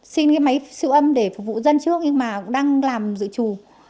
xin cái máy siêu âm để phục vụ dân trước nhưng mà đang làm dự trù